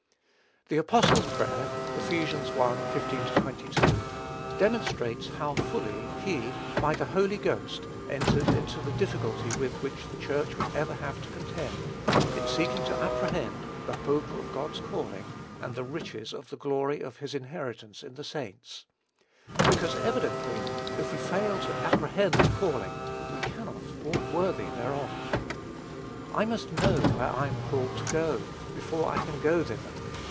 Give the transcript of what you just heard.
The apostle's prayer (Eph. i. 15 22) demonstrates how fully he, by the Holy Ghost, entered into the difficulty with which the Church would ever have to contend, in seeking to apprehend "the hope of God's calling, and the riches of the glory of his inheritance in the saints;" because, evidently, if we fail to apprehend the calling, we cannot "walk worthy" thereof. I must know where I am called to go, before I can go thither.